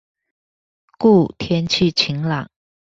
故天氣晴朗